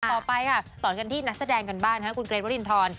ต่อไปค่ะต่อกันที่นักแสดงกันบ้างคุณเกรทวรินทร